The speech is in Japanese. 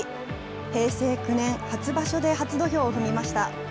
平成９年、初場所で初土俵を踏みました。